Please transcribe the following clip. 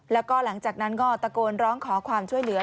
แล้วก็หลังจากนั้นก็ตะโกนร้องขอความช่วยเหลือ